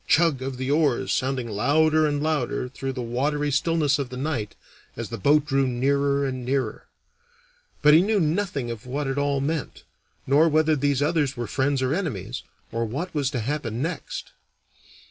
chug! of the oars sounding louder and louder through the watery stillness of the night as the boat drew nearer and nearer. But he knew nothing of what it all meant, nor whether these others were friends or enemies, or what was to happen next.